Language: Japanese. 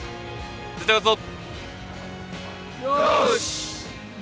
絶対勝つぞ！